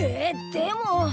でも！